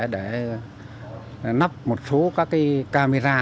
để nắp một số camera